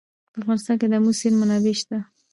په افغانستان کې د آمو سیند منابع شته.